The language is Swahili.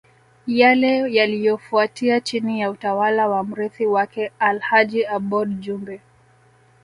Yale yaliyofuatia chini ya utawala wa mrithi wake Alhaji Aboud Jumbe